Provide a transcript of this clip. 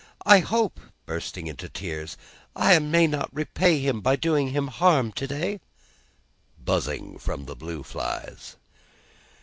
I hope," bursting into tears, "I may not repay him by doing him harm to day." Buzzing from the blue flies.